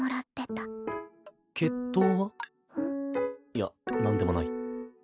いやなんでもない。